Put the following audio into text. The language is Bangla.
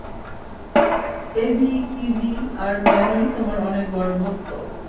এভি, কিজি আর ম্যানি তোমার অনেক বড় ভক্ত।